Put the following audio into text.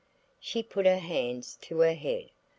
She put her hands to her head.